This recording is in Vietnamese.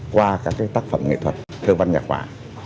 qua các tác phẩm nghệ thuật thơ văn nhạc quả